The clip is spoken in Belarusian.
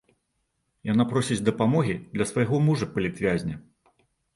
Яна просіць дапамогі для свайго мужа-палітвязня.